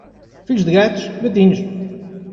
Filhos de gatos, gatinhos.